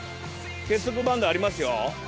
結束バンドありますよ。